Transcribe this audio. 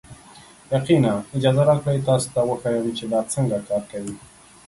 یقینا، اجازه راکړئ تاسو ته وښیم چې دا څنګه کار کوي.